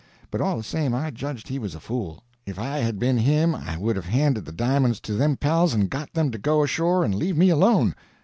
But all the same I judged he was a fool. If I had been him I would a handed the di'monds to them pals and got them to go ashore and leave me alone.